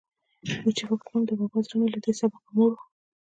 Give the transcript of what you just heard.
اوس چې فکر کوم، د بابا زړه مې له دې سبقه موړ و.